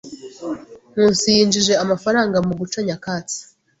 Nkusi yinjije amafaranga mu guca nyakatsi.